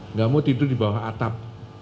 nggak mau tidur di bawah atap